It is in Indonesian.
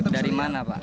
dari mana pak